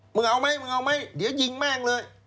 มึงเอาไหมมึงเอาไหมเดี๋ยวยิงแม่งเลย